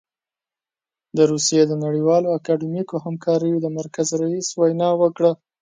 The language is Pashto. د روسيې د نړیوالو اکاډمیکو همکاریو د مرکز رییس وینا وکړه.